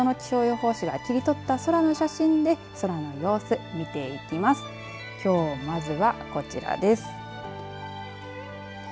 その気象予報士が切り取った空の写真で空の様子見ていきます。